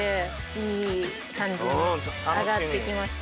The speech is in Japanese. いい感じに揚がってきました。